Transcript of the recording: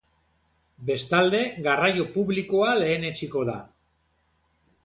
Bestalde garraio publikoa lehenetsiko da.